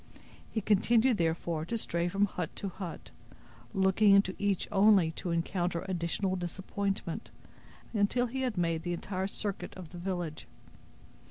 He continued, therefore, to stray from hut to hut, looking into each only to encounter additional disappointment, until he had made the entire circuit of the village.